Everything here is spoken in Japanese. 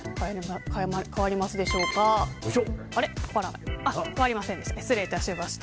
変わりませんでした失礼いたしました。